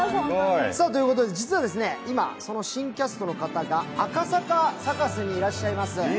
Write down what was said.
実は今、その新キャストの方が赤坂サカスにいらっしゃいます。